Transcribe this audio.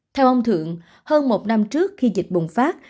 theo ông thượng hơn một năm trước khi dịch bùng phát